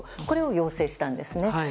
これを要請したんですね。